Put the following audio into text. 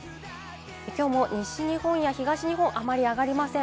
今日も西日本や東日本、あまり上がりません。